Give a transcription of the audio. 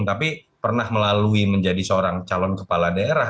tapi pernah melalui menjadi seorang calon kepala daerah